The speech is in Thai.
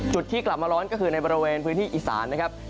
ที่กลับมาร้อนก็คือในบริเวณพื้นที่อีสานนะครับ